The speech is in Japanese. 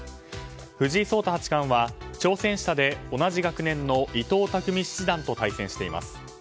藤井聡太八冠は挑戦者で同じ学年の伊藤匠七段と対戦しています。